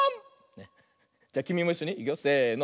じゃきみもいっしょにいくよせの。